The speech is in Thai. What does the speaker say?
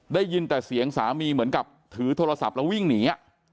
ได้ยินแต่เสียงสามีเหมือนกับถือโทรศัพท์แล้ววิ่งหนี